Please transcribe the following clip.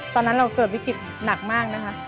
ตอนนั้นเราเกิดวิกฤตหนักมากนะคะ